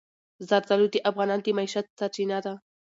زردالو د افغانانو د معیشت سرچینه ده.